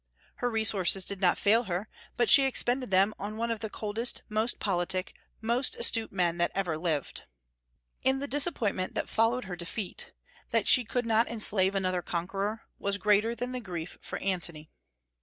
Her resources did not fail her; but she expended them on one of the coldest, most politic, and most astute men that ever lived. And the disappointment that followed her defeat that she could not enslave another conqueror was greater than the grief for Antony.